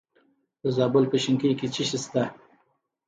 د زابل په شنکۍ کې څه شی شته؟